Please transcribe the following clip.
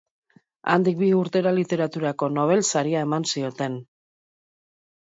Handik bi urtera Literaturako Nobel saria eman zioten.